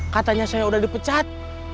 katanya saya udah dipecat